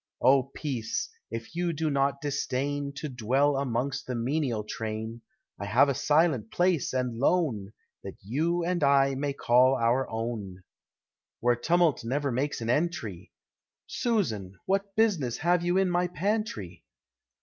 Oh Peace! if you do not disdain To dwell amongst the menial train, I have a silent place and lone, That you and I may call our own; Where tumult never makes an entry Susan! what business have you in my pantry?